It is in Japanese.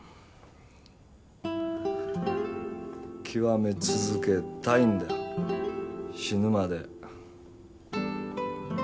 極め続けたいんだよ死ぬまで。